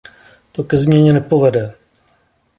To ke změně nepovede.